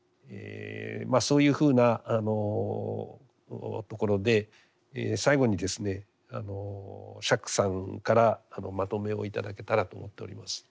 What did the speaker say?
まあそういうふうなところで最後にですね釈さんからまとめを頂けたらと思っております。